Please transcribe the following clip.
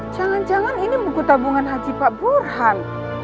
jangan jangan ini buku tabungan haji pak burhan